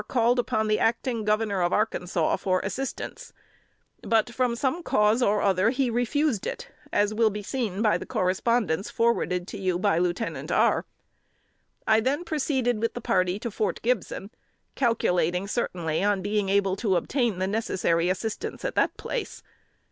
called upon the acting Governor of Arkansas for assistance; but from some cause or other he refused it, as will be seen by the correspondence forwarded you by Lieutenant R. I then proceeded with the party to Fort Gibson, calculating certainly on being able to obtain the necessary assistance at that place.